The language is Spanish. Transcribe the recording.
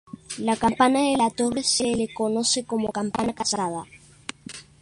La campana de la torre se la conoce como "campana cascada".